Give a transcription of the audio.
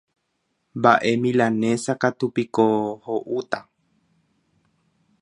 Mbaʼe milanesa katu piko hoʼúta.